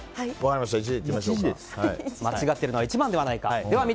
間違っているのは１番ではないかと。